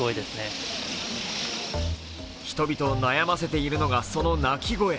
人々を悩ませているのが、その鳴き声。